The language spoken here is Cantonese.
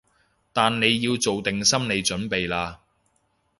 但你要做定心理準備喇